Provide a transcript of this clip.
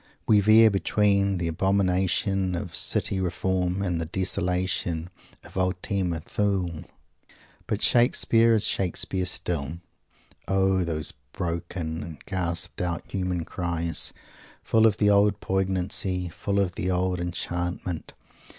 We veer between the abomination of city reform and the desolation of Ultima Thule. But Shakespeare is Shakespeare still. O those broken and gasped out human cries, full of the old poignancy, full of the old enchantment!